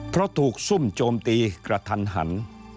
เพราะถูกซุ่มโจมตีกระทันหัน